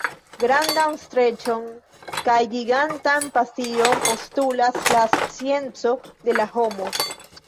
Grandan streĉon kaj gigantan pasion postulas la scienco de la homo.